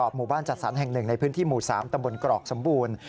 หมู่บ้านจัดสรรแห่งหนึ่งในพื้นที่หมู่๓ตำบลกรอกสมบูรณ์